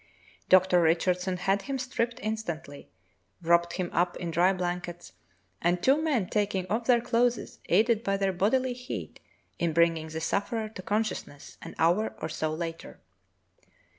Dr. Richardson had him stripped instantly, wrapped him up in dry blankets, and two men taking off their clothes aided by their bodil}^ heat in bringing the sufferer to consciousness an hour or so later.